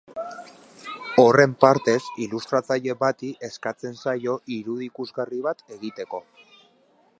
Horren partez, ilustratzaile bati eskatzen zaio irudi ikusgarri bat egiteko.